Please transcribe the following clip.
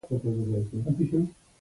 ما ځان ته دا حق نه ورکاوه.